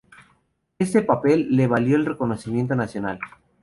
Este papel le valió el reconocimiento nacional.